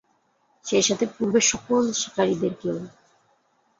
সেইসাথে পূর্বের সকল শিকারিদেরকেও।